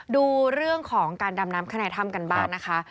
ดูเรื่องของการดำน้ำข้างในถ้ำกันบ้างนะคะ